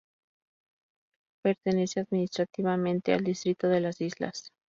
Pertenece administrativamente al Distrito de las Islas.